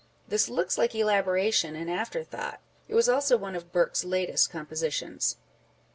This looks like elaboration and after thought. It was also one of Burke's latest compositions.